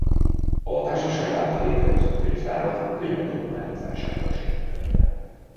A társaság által létrehozott könyvtárat könyvek adományozásával segítette.